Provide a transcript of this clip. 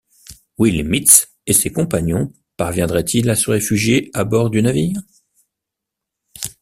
Will Mitz et ses compagnons parviendraient-ils à se réfugier à bord du navire?...